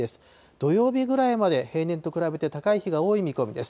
土曜日ぐらいまで、平年と比べて高い日が多い見込みです。